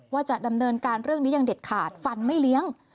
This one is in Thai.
ว่าจะดำเนินการเรื่องนี้อย่างเด็ดขาดฟันไม่เลี้ยง